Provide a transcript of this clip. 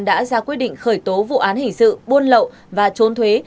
đã ra quyết định khởi tố vụ án hình sự buôn lậu và trốn thuế